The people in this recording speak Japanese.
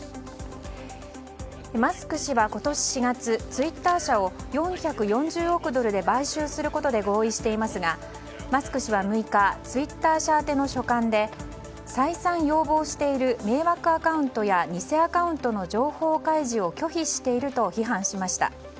マスク氏は今年４月ツイッター社を４４０億ドルで買収することで合意していますがマスク氏は６日ツイッター社宛ての書簡で再三要望している迷惑アカウントや偽アカウントの情報開示を拒否していると批判しました。